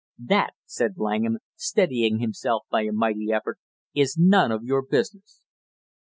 "That," said Langham, steadying himself by a mighty effort, "is none of your business!"